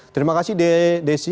terima kasih desi